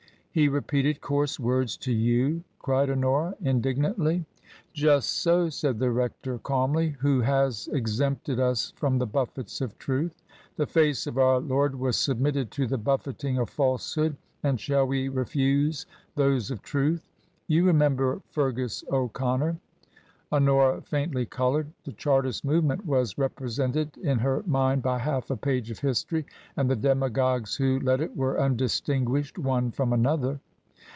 " He repeated coarse words to you !" cried Honora, indignantly. " Just so," said the rector, calmly ;" who has exempted us from the buffets of truth ? The face of our Lord was submitted to the buffeting of falsehood, and shall we refuse those of truth ? You remember Feargus O'Con nor ?" Honora faintly coloured. The Chartist movement was represented in her mind by half a page of history ; and the " demagogues" who led it were undistinguished one from another.